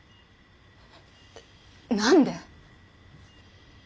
何で？